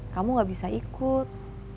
kamu gak bisa ikut